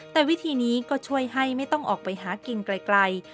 แต่วิธีนี้ก็ช่วยให้ไม่ต้องออกไปหากินไกล